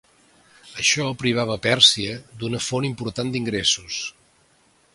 Això privava a Pèrsia d'una font important d'ingressos.